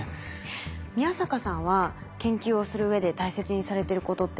宮坂さんは研究をするうえで大切にされてることって何ですか？